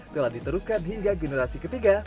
telah diteruskan hingga generasi ketiga